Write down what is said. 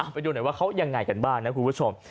ไปดูหน่อยว่าเขายังไงกันบ้างนะคุณผู้ชม